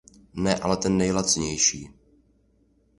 Ne, ale ten nejlacinější.